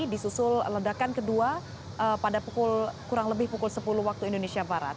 disusul ledakan kedua pada pukul kurang lebih pukul sepuluh waktu indonesia barat